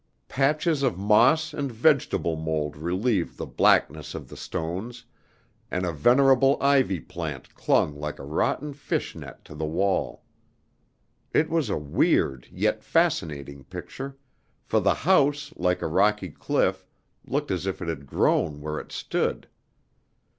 Patches of moss and vegetable mold relieved the blackness of the stones, and a venerable ivy plant clung like a rotten fish net to the wall. It was a weird, yet fascinating picture; for the house, like a rocky cliff, looked as if it had grown where it stood.